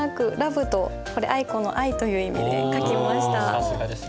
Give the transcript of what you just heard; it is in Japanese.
さすがですね。